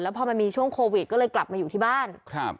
พอมันมีช่วงโควิดก็เลยกลับมาอยู่ที่บ้านครับ